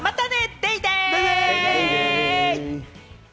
デイデイ！